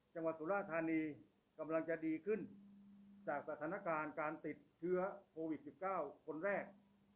จังหวัดสุราธานีกำลังจะดีขึ้นจากสถานการณ์การติดเชื้อโควิด๑๙คนแรก